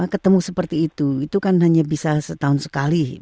ketemu seperti itu itu kan hanya bisa setahun sekali